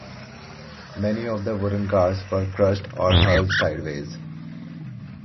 Many of the wooden cars were crushed or hurled sideways.